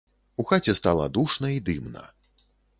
У хаце стала душна і дымна.